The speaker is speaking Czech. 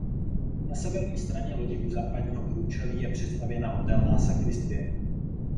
Na severní straně lodi u západního průčelí je přistavěna obdélná sakristie.